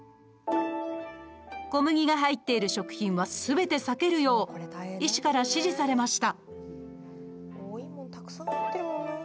小麦が入っている食品はすべて避けるよう医師から指示されました。